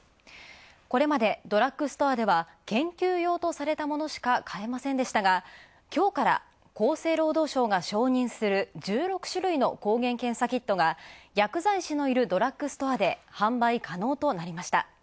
これまでドラッグストアでは、研究用とされたものしかかえませんでしたがきょうから厚生労働省が承認する１６種類の抗原検査キットが薬剤師のいるドラッグストアで販売可能となりました。